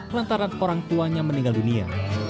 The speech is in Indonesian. lantaran orang tuanya meninggal dunia